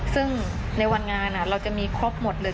ซึ่งในวันงานเราจะมีครบหมดเลย